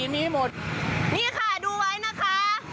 นี่ค่ะดูไว้นะคะ